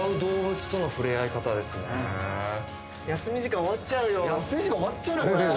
休み時間終わっちゃう。